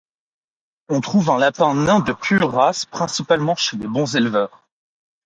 On trouve un lapin nain de pure race principalement chez les bons éleveurs.